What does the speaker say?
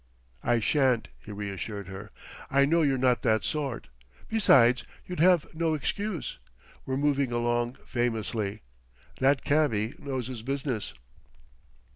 "I shan't," he reassured her; "I know you're not that sort. Besides, you'd have no excuse. We're moving along famously. That cabby knows his business."